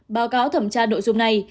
báo cáo thẩm tra nội dung này